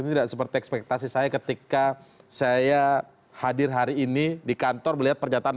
ini tidak seperti ekspektasi saya ketika saya hadir hari ini di kantor melihat pernyataan